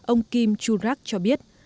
ông kim chul rak cho biết